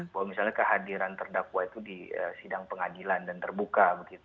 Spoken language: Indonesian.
bahwa misalnya kehadiran terdakwa itu di sidang pengadilan dan terbuka